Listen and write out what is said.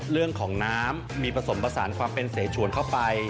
เรื่องของน้ำมีผสมผสานความเป็นเสชวนเข้าไป